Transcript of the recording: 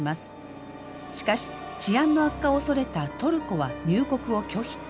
しかし治安の悪化を恐れたトルコは入国を拒否。